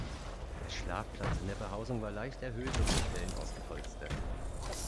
Der Schlafplatz in der Behausung war leicht erhöht und mit Fellen ausgepolstert.